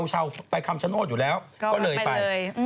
ชาวไปคำชโนธอยู่แล้วก็เลยไป